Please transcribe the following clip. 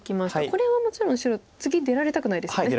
これはもちろん白次出られたくないですよね。